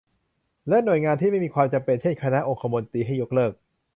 และหน่วยงานที่ไม่มีความจำเป็น เช่น คณะองคมนตรี ให้ยกเลิก